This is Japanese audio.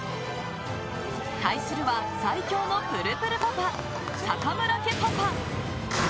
対するは最強のプルプルパパ坂村家パパ！